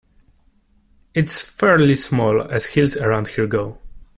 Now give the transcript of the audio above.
It's fairly small as hills around here go.